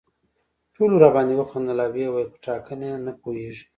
ټولو راباندې وخندل او ویې ویل په ټاکنه نه پوهېږي.